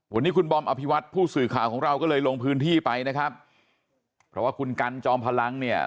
วันนี้คุณบอมอภิวัตผู้สื่อข่าวของเราก็เลยลงพื้นที่ไปนะครับเพราะว่าคุณกันจอมพลังเนี่ย